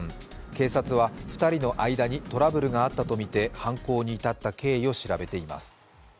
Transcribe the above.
警察は２人の間にトラブルがあったとみて犯行に至った経緯を調べています。